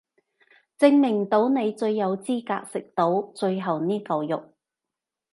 證明到你最有資格食到最後呢嚿肉